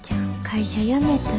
会社辞めた！？